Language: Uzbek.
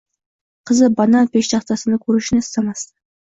Qizi banan peshtaxtasini koʻrishini istamasdi.